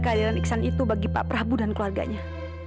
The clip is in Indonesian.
keadilan ikhsan itu bagi pak prabowo dan keluarganya